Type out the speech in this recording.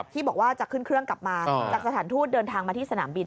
ที่บอกว่าจะขึ้นเครื่องกลับมาจากสถานทูตเดินทางมาที่สนามบิน